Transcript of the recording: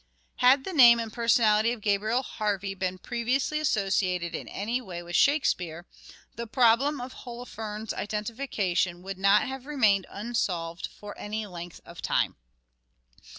Had the name and personality of Gabriel Harvey been previously associated in any way with Shakespeare, the problem of Holofernes' identification would not have remained unsolved for any length of time.